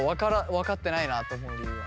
分かってないなと思う理由は？